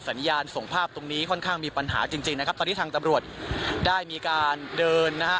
สัญญาณส่งภาพตรงนี้ค่อนข้างมีปัญหาจริงจริงนะครับตอนนี้ทางตำรวจได้มีการเดินนะฮะ